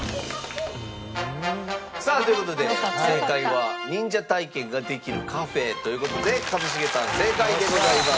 さあという事で正解は忍者体験ができるカフェという事で一茂さん正解でございます。